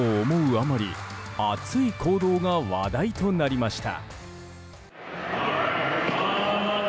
あまり熱い行動が話題となりました。